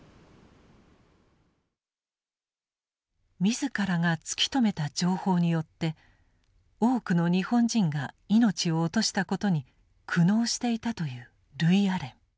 自らが突き止めた情報によって多くの日本人が命を落としたことに苦悩していたというルイアレン。